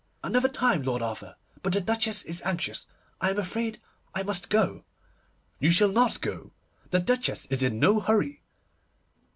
'Another time, Lord Arthur, but the Duchess is anxious. I am afraid I must go.' 'You shall not go. The Duchess is in no hurry.